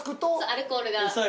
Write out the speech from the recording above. アルコールが。